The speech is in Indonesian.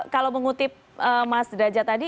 kalau mengutip mas derajat tadi